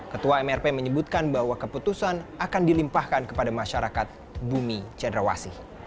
ketua mrp menyebutkan bahwa keputusan akan dilimpahkan kepada masyarakat bumi cedrawasih